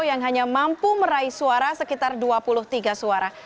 yang hanya mampu meraih suara sekitar dua puluh tiga suara